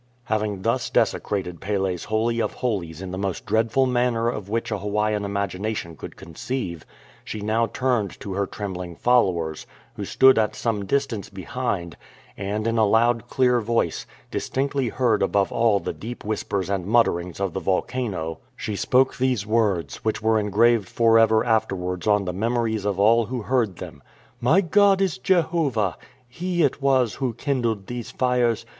Having thus desecrated Pelc''s holy of holies in the most dreadful manner of which a Hawaiian imagination could conceive, she now turned to her trembling followers, who stood at some distance behind, and in a loud clear voice, distinctly heard above all the deep whispers and mutterings of the volcano, she spoke these words, which were engraved for ever afterwards on the memories of all who heard them : "My God is Jehovah. He it was who kindled these fires.